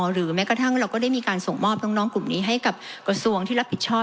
หรือแม้กระทั่งเราก็ได้มีการส่งมอบน้องกลุ่มนี้ให้กับกระทรวงที่รับผิดชอบ